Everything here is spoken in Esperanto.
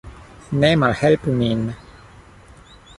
Ne malhelpu nin.